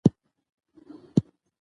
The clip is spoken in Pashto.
ډېر سوالونه تکراري وو